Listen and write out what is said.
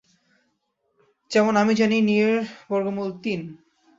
যেমন আমি জানি নিয়ের বর্গমূল তিন।